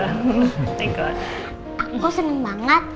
aku seneng banget